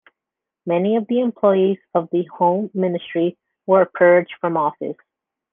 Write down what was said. Many of the employees of the Home Ministry were purged from office.